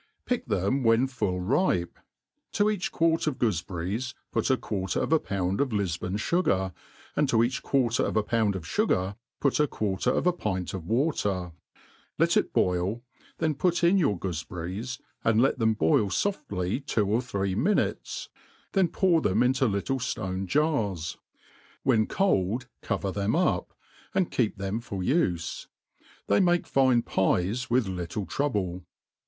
PICK them when full ripe ; to each quart of goofeberries put a quarter of a pouAd of Lifoon fugar, and to each quarter of a pound of fugar put a quarter of a pint of water ; let it boil, then put in your goofeberries, and let them boil foftly two or three minutes, then pour them into little ftone*jars; when cold cover them up, and keep them for ufe ; they make fine pies with little trouble.